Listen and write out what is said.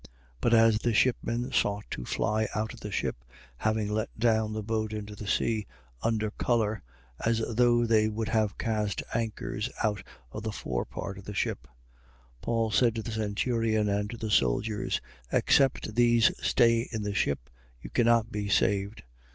27:30. But as the shipmen sought to fly out of the ship, having let down the boat into the sea, under colour, as though they would have cast anchors out of the forepart of the ship, 27:31. Paul said to the centurion and to the soldiers: Except these stay in the ship, you cannot be saved.